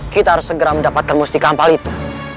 kita harus segera mendapatkan musti kapal itu